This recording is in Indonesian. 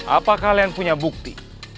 apa kalian punya bukti